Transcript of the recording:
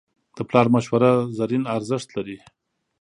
د پلار مشوره زرین ارزښت لري.